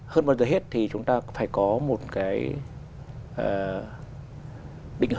hơn bao giờ hết thì chúng ta phải có một cái định hướng